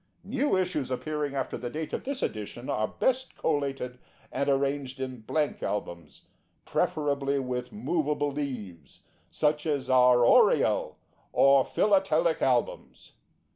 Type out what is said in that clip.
New issues appearing after the date of this edition are best collated and arranged in blank albums, preferably with movable leaves, such as our ORIEL or PHILATELIC ALBUMS.